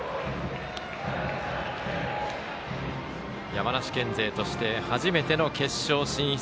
山梨県勢として初めての決勝進出。